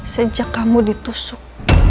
sejak kamu ditusuk